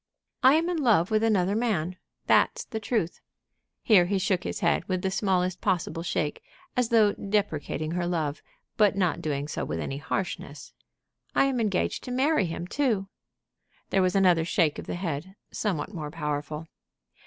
"I am in love with another man. That's the truth." Here he shook his head with the smallest possible shake, as though deprecating her love, but not doing so with any harshness. "I engaged to marry him, too." There was another shake of the head, somewhat more powerful.